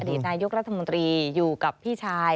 นายกรัฐมนตรีอยู่กับพี่ชาย